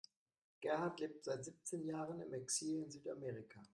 Gerhard lebt seit siebzehn Jahren im Exil in Südamerika.